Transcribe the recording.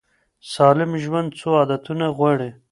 سالم ژوند څو عادتونه غواړي.